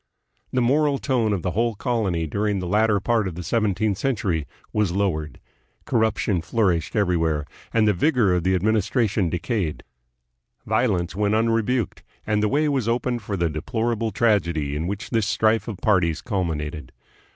The moral tone of the whole colony during the latter part of the seventeenth century was lowered. Corruption flourished everywhere, and the vigor of the administra tion decayed. Violence went unrebuked, and the way was open for the deplorable tragedy in which this strife of parties culminated.